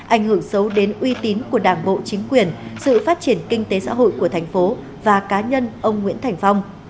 ảnh hưởng xấu đến uy tín của đảng bộ chính quyền sự phát triển kinh tế xã hội của thành phố và cá nhân ông nguyễn thành phong